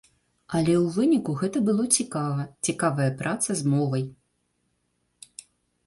Але ў выніку гэта было цікава, цікавая праца з мовай.